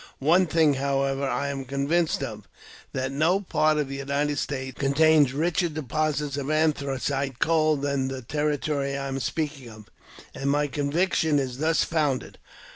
One thing, however, I am convinced of, that no part of the United States contains richer deposits of anthracite coal than the territory I am speaking of, and my conviction is thus founded.